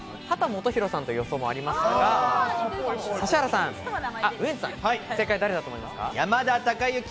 秦基博さんという予想もありましたが、ウエンツさん、正解、誰だと思いますか？